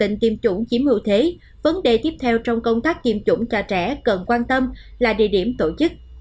trong tình tiêm chủng chiếm hưu thế vấn đề tiếp theo trong công tác tiêm chủng cho trẻ cần quan tâm là địa điểm tổ chức